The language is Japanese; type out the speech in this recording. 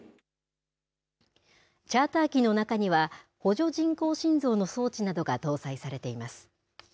チャーター機の中には補助人工心臓の装置などが搭載されています。